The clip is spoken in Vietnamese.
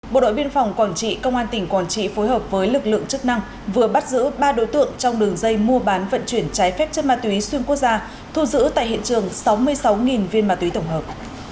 bộ đội biên phòng quảng trị công an tỉnh quảng trị phối hợp với lực lượng chức năng vừa bắt giữ ba đối tượng trong đường dây mua bán vận chuyển trái phép chất ma túy xuyên quốc gia thu giữ tại hiện trường sáu mươi sáu viên ma túy tổng hợp